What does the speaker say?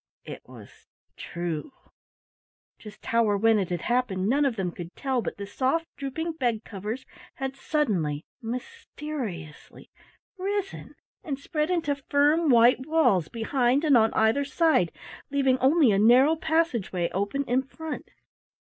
It was true. Just how or when it had happened none of them could tell, but the soft drooping bedcovers had suddenly, mysteriously risen and spread into firm white walls behind and on either side, leaving only a narrow passageway open in front.